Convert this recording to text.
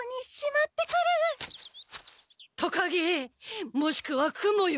トカゲもしくはクモよ！